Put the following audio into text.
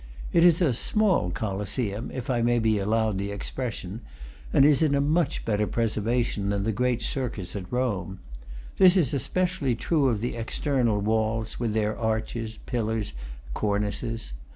It is a small Colosseum, if I may be allowed the expression, and is in a much better preservation than the great circus at Rome. This is especially true of the external walls, with their arches, pillars, cornices.